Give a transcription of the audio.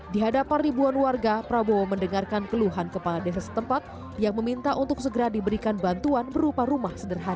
di hadapan ribuan warga prabowo mendengarkan keluhan kepala desa setempat yang meminta untuk segera diberikan bantuan berupa rumah sederhana